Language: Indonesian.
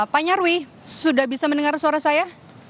pak nyarwi sudah bisa mendengar suara saya